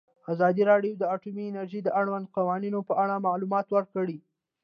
ازادي راډیو د اټومي انرژي د اړونده قوانینو په اړه معلومات ورکړي.